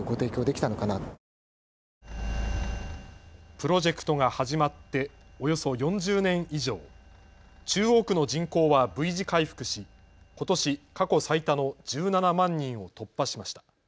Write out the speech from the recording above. プロジェクトが始まっておよそ４０年以上、中央区の人口はＶ字回復しことし過去最多の１７万人を突破しました。